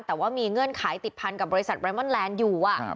แต่ว่ามีเงื่อนไขติดพันกับบริษัทไรมอนแลนด์อยู่